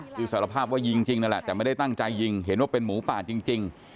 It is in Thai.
คือสารภาพว่ายิงจริงนั่นแหละแต่ไม่ได้ตั้งใจยิงเห็นว่าเป็นหมูป่าจริง